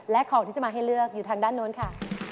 และของที่จะมาให้เลือกอยู่ทางด้านโน้นค่ะ